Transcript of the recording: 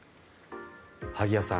萩谷さん